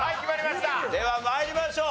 では参りましょう。